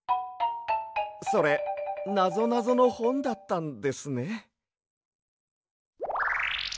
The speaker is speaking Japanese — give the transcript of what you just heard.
それなぞなぞのほんだったんですね。